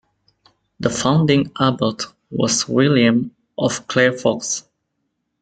The founding abbot was William of Clairvaux.